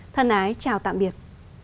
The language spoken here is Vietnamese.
thân ái chào tạm biệt